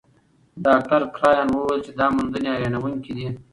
ډاکټر کرایان وویل چې دا موندنې حیرانوونکې دي.